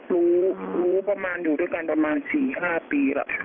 รู้รู้ประมาณอยู่ด้วยกันประมาณ๔๕ปีแล้ว